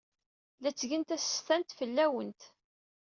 La ttgen tasestant fell-awent.